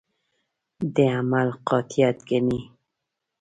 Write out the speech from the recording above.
د عمل قاطعیت ګڼي.